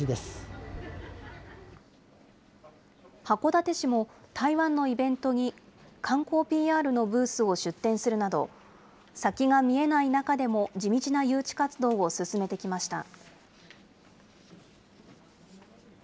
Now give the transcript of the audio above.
函館市も台湾のイベントに観光ＰＲのブースを出展するなど、先が見えない中でも地道な誘致活動を進めてきました。